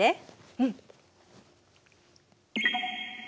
うん。